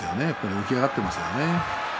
起き上がっていますね。